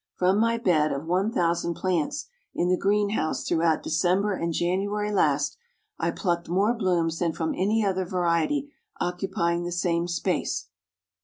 From my bed of one thousand plants in the green house throughout December and January last, I plucked more blooms than from any other variety occupying the same space."